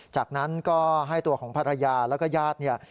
จากนั้นก็ให้ตัวของภรรยาแล้วก็ญาติเนี่ย